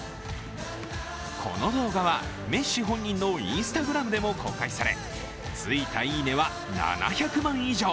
この動画は、メッシ本人のＩｎｓｔａｇｒａｍでも公開されついた「いいね」は７００万以上。